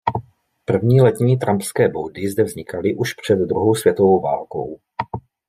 První letní trampské boudy zde vznikaly už před druhou světovou válkou.